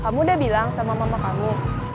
kamu udah bilang sama mama kamu